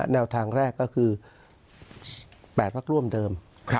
แนวทางแรกก็คือ๘พักร่วมเดิม